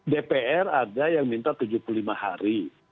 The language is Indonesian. dpr ada yang minta tujuh puluh lima hari